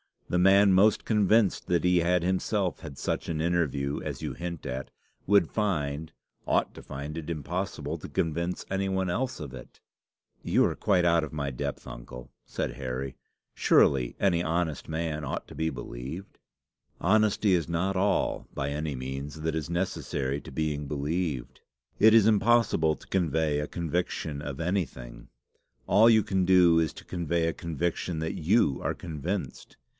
The man most convinced that he had himself had such an interview as you hint at, would find ought to find it impossible to convince any one else of it." "You are quite out of my depth, uncle," said Harry. "Surely any honest man ought to be believed?" "Honesty is not all, by any means, that is necessary to being believed. It is impossible to convey a conviction of anything. All you can do is to convey a conviction that you are convinced.